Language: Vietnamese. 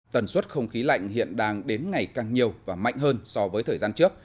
tần suất không khí lạnh hiện đang đến ngày càng nhiều và mạnh hơn so với thời gian trước